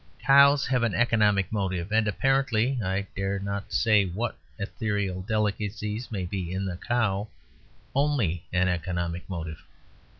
Cows have an economic motive, and apparently (I dare not say what ethereal delicacies may be in a cow) only an economic motive.